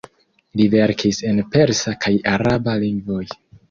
Li verkis en persa kaj araba lingvoj.